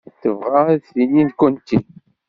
Tebɣa ad d-tini nekkenti?